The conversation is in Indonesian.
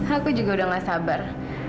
aku juga udah gak sabar